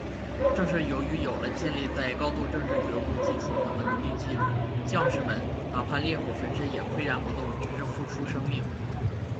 正是由于有了建立在高度政治觉悟基础上的革命纪律，将士们……哪怕烈火焚身，也岿然不动，直至付出生命。